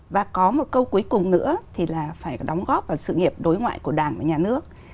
và có một câu cuối cùng nữa thì là phải đóng góp vào sự nghiệp đối ngoại của đảng và nhà nước